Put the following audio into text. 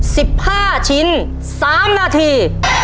สิบห้าชิ้นสามนาที